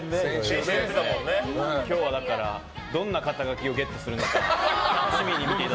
今日はどんな肩書きをゲットするのか。